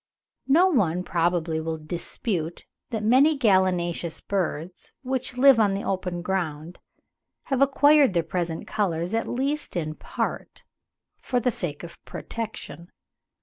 No one probably will dispute that many gallinaceous birds which live on the open ground, have acquired their present colours, at least in part, for the sake of protection.